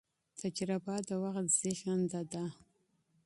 تجربه د وخت زېږنده ده.